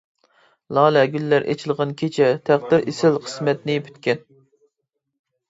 لالە گۈللەر ئېچىلغان كېچە، تەقدىر ئېسىل قىسمەتنى پۈتكەن.